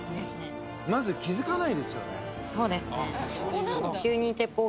そうですね。